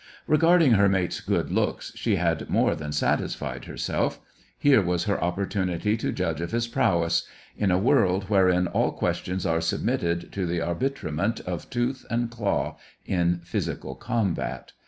Regarding her mate's good looks she had more than satisfied herself; here was her opportunity to judge of his prowess, in a world wherein all questions are submitted to the arbitrament of tooth and claw in physical combat.